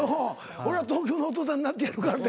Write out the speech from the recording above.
俺が東京のお父さんになってやるからって。